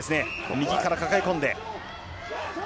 右から抱え込んで。